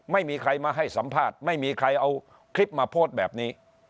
ไม่มีใครมาให้สัมภาษณ์ไม่มีใครเอาคลิปมาโพสต์แบบนี้